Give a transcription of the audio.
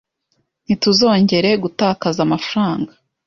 Ntituzongere gutakaza amafaranga.